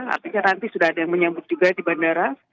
artinya nanti sudah ada yang menyambut juga di bandara